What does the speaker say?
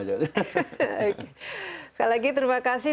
sekali lagi terima kasih